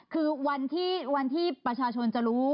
คือวันที่ประชาชนจะรู้